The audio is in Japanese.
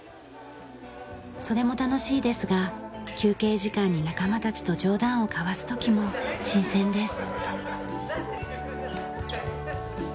それも楽しいですが休憩時間に仲間たちと冗談を交わす時も新鮮です。